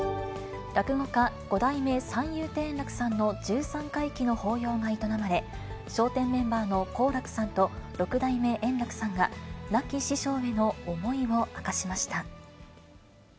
落語家、五代目三遊亭圓楽さんの十三回忌の法要が営まれ、笑点メンバーの好楽さんと六代目円楽さんが亡き師匠への思いを明かしました。